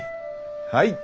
はい。